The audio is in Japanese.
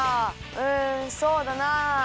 うんそうだなあ。